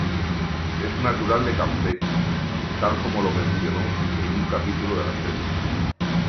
Es natural de Campeche, tal como lo mencionó en un capítulo de la serie.